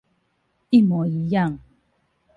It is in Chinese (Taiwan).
一模一樣